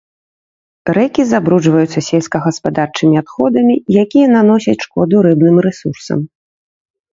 Рэкі забруджваюцца сельскагаспадарчымі адходамі, якія наносяць шкоду рыбным рэсурсам.